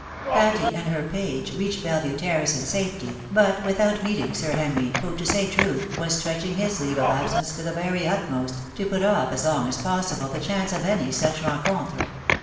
Pattt and her page reached Belle Vue Terrace in safety, but without meeting Sir Henry, who, to say truth, was stretch ing his leave of absence to the very utmost, to put off as long as possible the chance of any such rencontre.